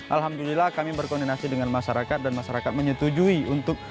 alhamdulillah kami berkoordinasi dengan masyarakat dan masyarakat menyetujui untuk